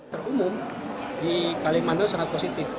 terumum di kalimantan sangat positif